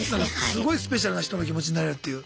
すごいスペシャルな人の気持ちになれるっていう。